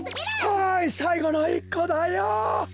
はいさいごの１こだよ。